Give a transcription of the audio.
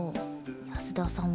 安田さんは？